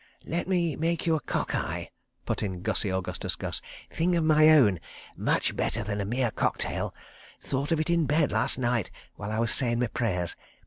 "Let me make you a cock eye," put in Gussie Augustus Gus. "Thing of my own. Much better than a mere cocktail. Thought of it in bed last night while I was sayin' my prayers.